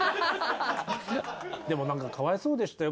でもなんかかわいそうでしたよ